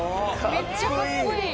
めっちゃかっこいい。